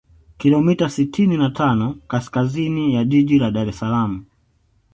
kilomita sitini na tano kaskazini ya jiji la Dar es Salaam